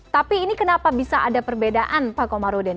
tapi ini kenapa bisa ada perbedaan pak komarudin